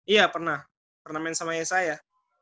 iya pernah pernah main sama ayah saya